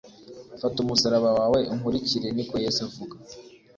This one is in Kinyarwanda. Fata umusaraba wawe unkurikire niko yesu avuga